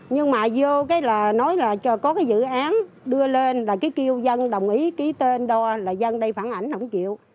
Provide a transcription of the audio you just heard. nhưng mà vô cái là nói là có cái dự án đưa lên là cái kêu dân đồng ý ký tên là dân đây phản ảnh không chịu